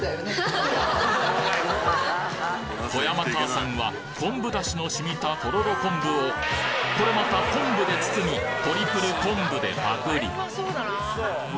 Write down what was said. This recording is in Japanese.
富山母さんは昆布出汁の染みたとろろ昆布をこれまた昆布で包みトリプル昆布でパクリ！